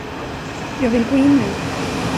Jag vill gå in nu.